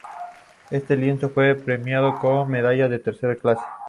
Este lienzo fue premiado con medalla de tercera clase.